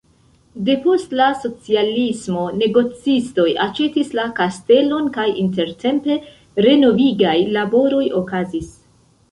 Depost la socialismo negocistoj aĉetis la kastelon kaj intertempe renovigaj laboroj okazis.